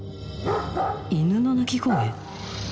犬の鳴き声？